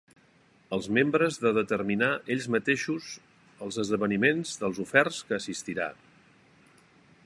Els membres de determinar ells mateixos els esdeveniments, dels oferts, que assistirà.